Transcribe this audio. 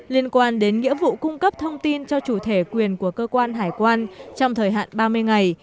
liên quan đến nghĩa vụ cung cấp thông tin cho chủ thể quyền của cơ quan hải quan trong thời hạn ba mươi ngày